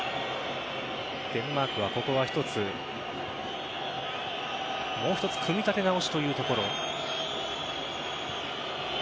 デンマークはここは一つもう一つ組み立て直しというところ。